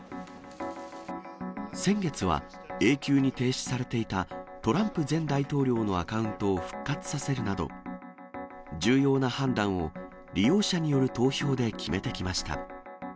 先月は永久に停止されていたトランプ前大統領のアカウントを復活させるなど、重要な判断を利用者による投票で決めてきました。